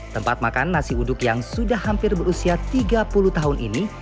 tempat makan nasi uduk yang sudah hampir berusia tiga puluh tahun ini